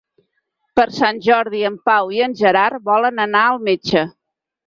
Per Sant Jordi en Pau i en Gerard volen anar al metge.